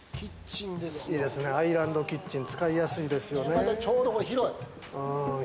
アイランドキッチン、使いやすいですよね。